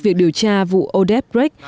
việc điều tra vụ odebrecht